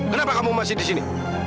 kenapa kamu masih di sini